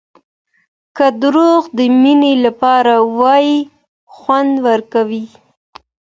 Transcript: که دروغ د مینې لپاره وي خوند ورکوي.